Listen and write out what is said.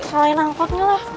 salah yang angkutnya lah